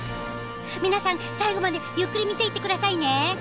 皆さん最後までゆっくり見ていって下さいね！